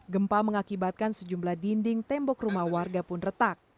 gempa mengakibatkan sejumlah dinding tembok rumah warga pun retak